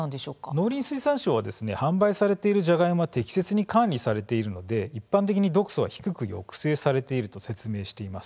農林水産省は販売されているジャガイモは適切に管理されているので一般的に毒素は低いと説明しています。